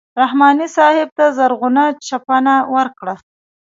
رحماني صاحب ته زرغونه چپنه ورکړه.